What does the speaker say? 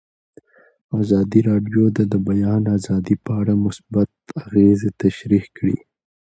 ازادي راډیو د د بیان آزادي په اړه مثبت اغېزې تشریح کړي.